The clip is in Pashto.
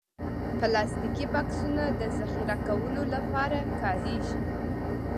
پلاستيکي بکسونه د ذخیره کولو لپاره کارېږي.